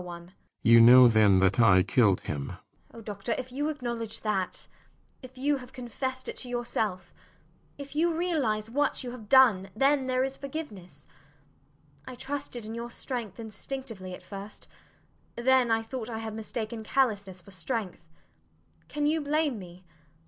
JENNIFER [suddenly moved and softened] Oh, doctor, if you acknowledge that if you have confessed it to yourself if you realize what you have done, then there is forgiveness. I trusted in your strength instinctively at first; then I thought I had mistaken callousness for strength. Can you blame me?